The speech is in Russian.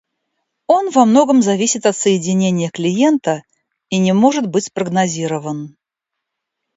Он во многом зависит от соединения клиента и не может быть спрогнозирован